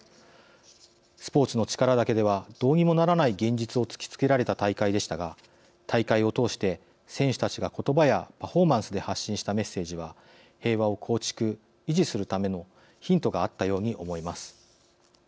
スポーツの力だけではどうにもならない現実を突きつけられた大会でしたが、大会を通して選手たちがことばやパフォーマンスで発信したメッセージは平和を構築・維持するためのヒントがあったように思います。